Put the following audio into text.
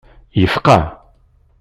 Yefqaɛ.